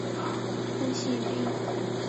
通信兵。